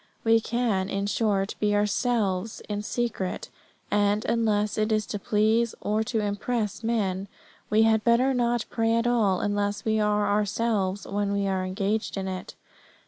We can, in short, be ourselves in secret; and, unless it is to please or to impress men, we had better not pray at all unless we are ourselves when we are engaged in it.